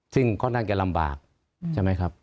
ซึ่งก็น่าจะลำบากใช่ไหมครับ